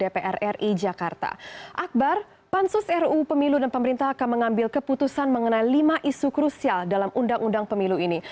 akbar pansus ruu pemilu dan pemerintah akan mengambil keputusan mengenai lima isu krusial dalam undang undang pemilu ini